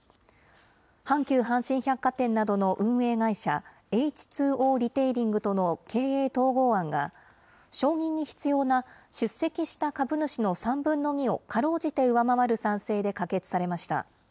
阪急阪神百貨店などの運営会社、エイチ・ツー・オーリテイリングとの経営統合案が、承認に必要な出席した株主の３分の２をかろうじて上回る賛成で可決されました。